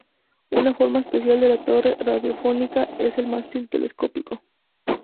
Una forma especial de la torre radiofónica es el mástil telescópico.